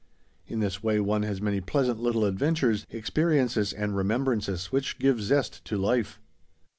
In this way one has many pleasant little adventures, experiences and remembrances, which give zest to life.